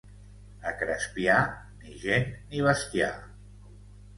A Crespià, ni gent ni bestiar.